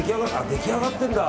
出来上がってるんだ。